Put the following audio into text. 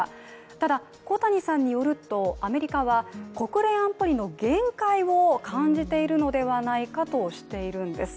ただ小谷さんによるとアメリカは、国連安保理の限界を感じているのではないかとしているんです。